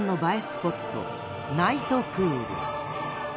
スポットナイトプール。